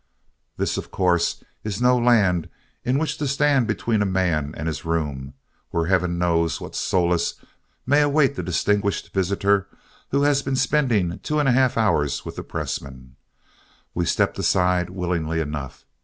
This, of course, is no land in which to stand between a man and his room, where heaven knows what solace may await the distinguished visitor who has been spending two and a half hours with the press men. We stepped aside willingly enough.